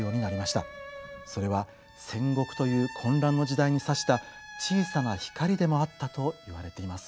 それは戦国という混乱の時代にさした小さな光でもあったといわれています。